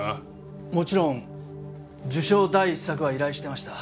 もちろん受賞第一作は依頼してました。